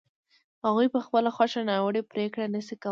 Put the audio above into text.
هغوی په خپله خوښه ناوړه پرېکړه نه شي کولای.